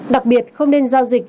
đặc biệt không nên giao dịch